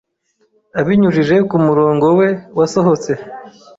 abinyujije kumurongo we wasohotse